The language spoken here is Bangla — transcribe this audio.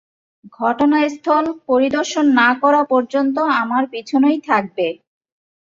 ঘটনাস্থল পরিদর্শন না করা পর্যন্ত আমার পিছনেই থাকবে।